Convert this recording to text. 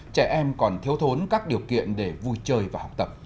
trẻ em còn thiếu thốn các điều kiện để vui chơi và học tập